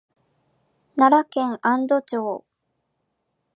奈良県安堵町